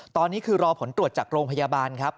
ตอนนี้คือรอผลตรวจจากโรงพยาบาลครับ